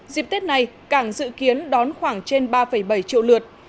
dịp tết này cảng dự kiến đón khoảng trên ba bảy triệu lượt